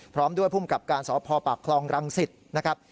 พร้อมด้วยภูมิกับการสพปากคลองรังสิตนะครับ